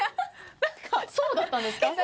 そうだったんですか？